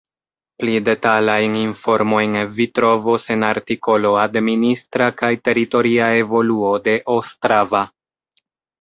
Pli detalajn informojn vi trovos en artikolo Administra kaj teritoria evoluo de Ostrava.